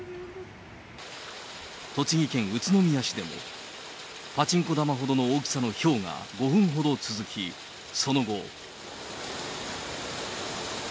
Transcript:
栃木県宇都宮市でも、パチンコ玉ほどの大きさのひょうが５分ほど続き、その後。